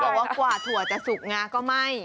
บอกว่ากว่าถั่วจะสุกงาก็ไม่